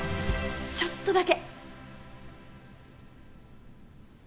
ちょっとだけ。